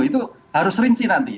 itu harus rinci nanti